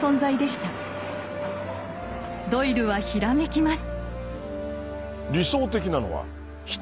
ドイルはひらめきます。